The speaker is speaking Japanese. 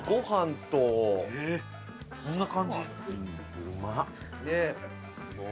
どんな感じ？